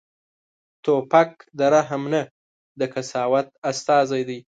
توپک د رحم نه، د قساوت استازی دی.